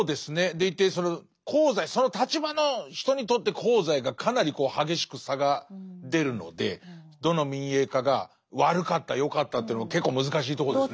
でいてその立場の人にとって功罪がかなり激しく差が出るのでどの民営化が悪かった良かったというのは結構難しいとこですね。